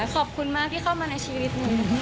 ขอบคุณมากที่เข้ามาในชีวิตหนู